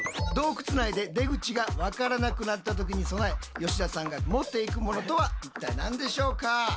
洞窟内で出口が分からなくなった時に備え吉田さんが持って行くものとは一体何でしょうか？